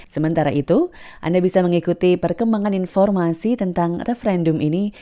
sementara itu anda bisa mengikuti perkembangan informasi tentang referendum ini